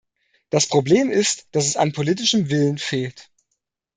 Das Problem ist, dass es an politischem Willen fehlt.